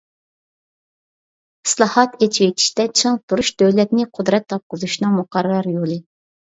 ئىسلاھات، ئېچىۋېتىشتە چىڭ تۇرۇش دۆلەتنى قۇدرەت تاپقۇزۇشنىڭ مۇقەررەر يولى.